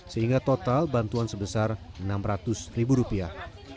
sehingga total bantuan sebesar enam ratus ribu rupiah